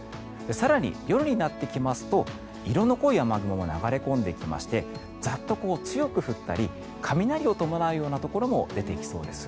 更に、夜になってきますと色の濃い雨雲も流れ込んできましてザッと強く降ったり雷を伴うようなところも出てきそうです。